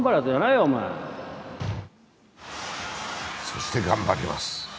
そして頑張ります。